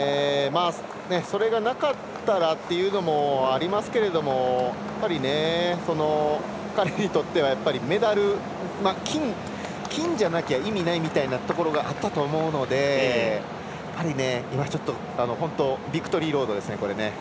それがなかったらっていうのもありますけど彼にとってはメダル金じゃなきゃ意味ないみたいなところがあったと思うので今、ビクトリーロードですね。